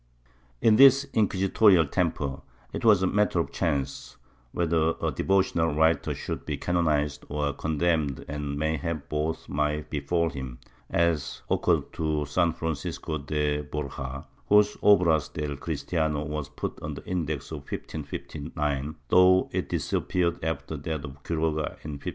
^ In this inquisitorial temper it was a matter of chance whether a devotional writer should be canonized or condemned and mayhap both might befall him, as occurred to San Francisco de Borja, whose Ohras del Cristiano was put on the Index of 1559, though it disappeared after that of Quiroga in 1583.